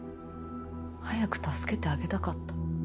早く助けてあげたかった。